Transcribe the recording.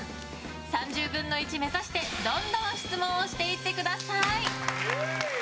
３０分の１目指して、どんどん質問をしていってください。